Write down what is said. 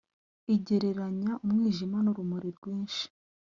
igereranya umwijima n’urumuri rwinshi